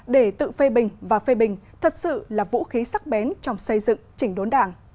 để tự phê bình và phê bình thật sự là vũ khí sắc bén trong xây dựng chỉnh đốn đảng